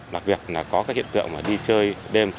đặc biệt là có hiện tượng đi chơi đêm